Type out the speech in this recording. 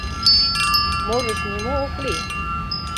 Можыч, нимо ок лий.